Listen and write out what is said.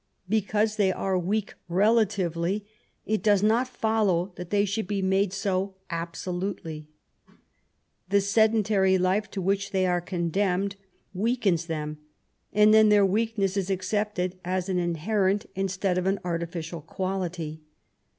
Because they are weak relatively, it does not follow that they should be made 80 absolutely. The sedentary life to which they are condemned weakens them, and then their weakness is accepted as an inherent, instead of an artificial, quality.